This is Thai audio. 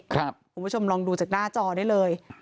คุณผู้ชมลองดูจากหน้าจอได้เลย